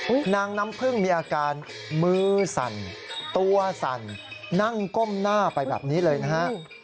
นางน้ำพึ่งมีอาการมือสั่นตัวสั่นนั่งก้มหน้าไปแบบนี้เลยนะฮะ